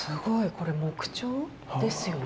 これ木彫ですよね？